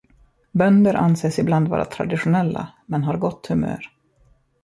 Bönder anses i bland vara traditionella men har gott humör.